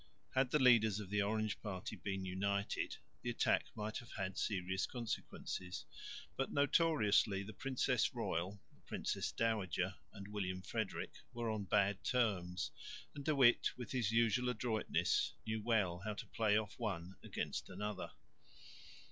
Had the leaders of the Orange party been united, the attack might have had serious consequences; but notoriously the princess royal, the princess dowager and William Frederick were on bad terms, and De Witt, with his usual adroitness, knew well how to play off one against another.